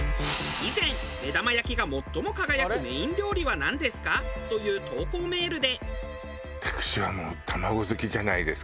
以前「目玉焼きが最も輝くメイン料理はなんですか？」という投稿メールで。